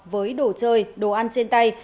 với đồ chơi đồ ăn trên tay